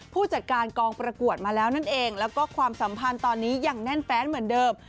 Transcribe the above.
ผู้จัดการกองประกวดมาแล้วนั่นเองแล้วก็ความสัมพันธ์ตอนนี้ยังแน่นแฟนเหมือนเดิม